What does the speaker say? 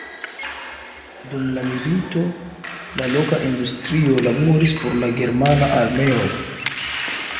Dum la milito, la loka industrio laboris por la germana armeo.